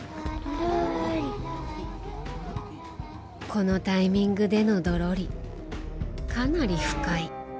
このタイミングでのドロリかなり不快。